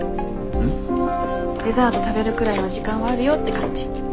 デザート食べるくらいの時間はあるよって感じ。